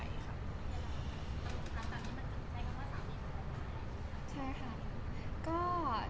แล้วตามนี้มันก็ใช้คำว่าสามีประหยากัน